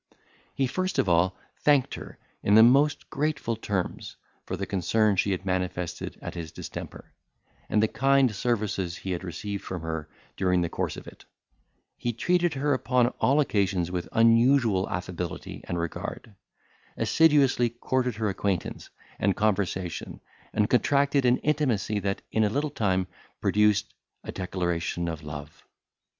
He first of all thanked her, in the most grateful terms, for the concern she had manifested at his distemper, and the kind services he had received from her during the course of it; he treated her upon all occasions with unusual affability and regard, assiduously courted her acquaintance and conversation, and contracted an intimacy that in a little time produced a declaration of love.